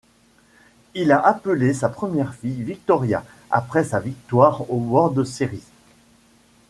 Il a appelé sa première fille Victoria après sa victoire aux World Series.